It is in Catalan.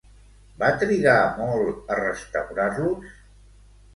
Va trigar molt a restaurar-los?